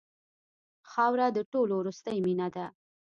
خاوره د ټولو وروستۍ مینه ده.